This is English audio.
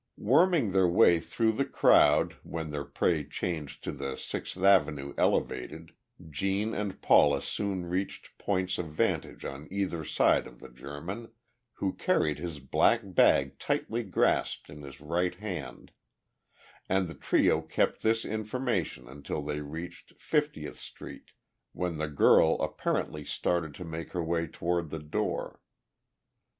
Worming their way through the crowd when their prey changed to the Sixth Avenue Elevated, Gene and Paula soon reached points of vantage on either side of the German, who carried his black bag tightly grasped in his right hand, and the trio kept this formation until they reached Fiftieth Street, when the girl apparently started to make her way toward the door.